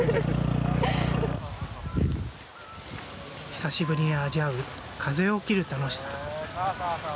久しぶりに味わう風を切る楽しさ。